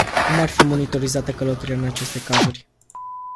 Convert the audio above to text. Cum ar fi monitorizată călătoria în aceste cazuri?